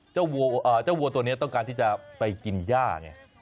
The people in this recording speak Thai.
เจ้าวัวตัวนี้ต้องการที่จะไปกินย่าไง